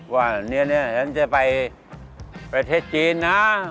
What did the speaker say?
ว่าเนี่ยฉันจะไปประเทศจีนนะ